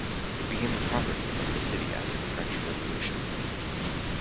It became the property of the city after the French Revolution.